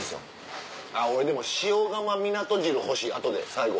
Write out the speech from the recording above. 俺でも塩釜港汁欲しい後で最後。